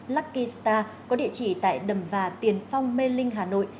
lucky star có địa chỉ tại đầm và tiền phong mê linh hà nội